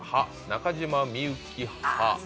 中島みゆき派。